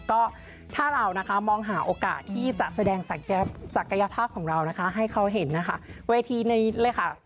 ก็ถ้าเรานะคะมองหาโอกาสที่จะแสดงศักยภาพของเรานะคะให้เขาเห็นนะคะเวทีนี้เลยค่ะ